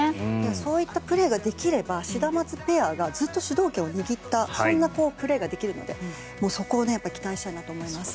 そういったプレーができればシダマツペアがずっと主導権を握ったそんなプレーができるのでそこを期待したいと思います。